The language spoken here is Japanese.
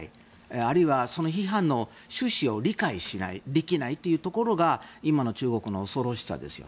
あるいは批判の趣旨を理解しないできないというところが今の中国の恐ろしさですよ。